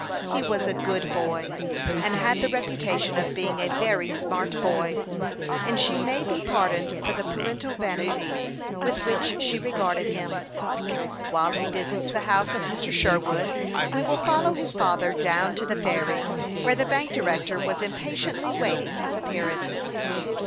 He was a good boy, and had the reputation of being a very smart boy, and she may be pardoned for the parental vanity with which she regarded him. Whilo he THE YOUNG PILOT OF LAKE CHAMFLAIN. 33 visits the house of Mr. Sherwood, we will follow his father down to the ferry, where the bank di rector was impatiently waiting his appearance.